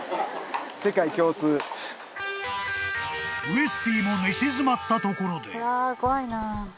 ［ウエスＰも寝静まったところで］